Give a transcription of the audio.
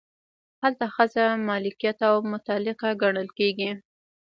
هلته ښځه ملکیت او متعلقه ګڼل کیږي.